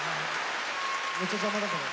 めっちゃ邪魔だから。